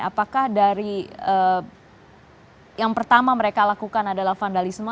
apakah dari yang pertama mereka lakukan adalah vandalisme